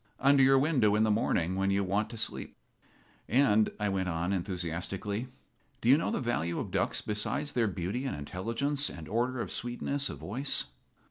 under your window in the morning when you want to sleep. "And," I went on, enthusiastically, "do you know the value of ducks besides their beauty and intelligence and order and sweetness of voice?